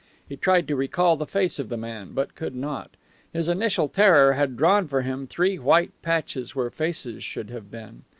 He tried to recall the face of the man, but could not. His initial terror had drawn for him three white patches where faces should have been.